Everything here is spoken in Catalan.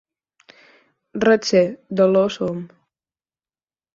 Res sé, d'Alaior som.